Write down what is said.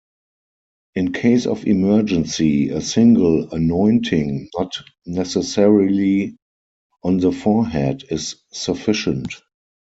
In case of emergency, a single anointing, not necessarily on the forehead, is sufficient.